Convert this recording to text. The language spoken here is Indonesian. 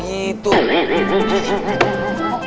ya itu lagi